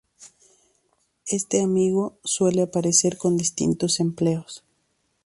Este amigo suele aparecer con distintos empleos.